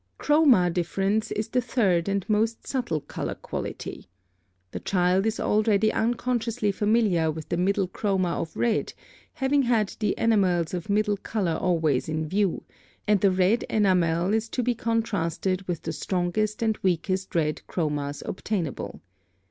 (42) Chroma difference is the third and most subtle color quality. The child is already unconsciously familiar with the middle chroma of red, having had the enamels of MIDDLE COLOR always in view, and the red enamel is to be contrasted with the strongest and weakest red chromas obtainable.